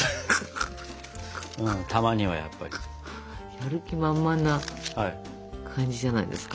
やる気満々な感じじゃないですか？